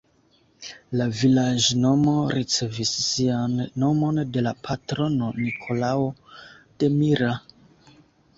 La vilaĝnomo ricevis sian nomon de la patrono Nikolao de Mira.